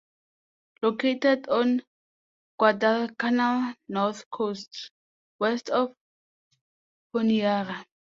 Located on Guadalcanal's north coast, west of Honiara.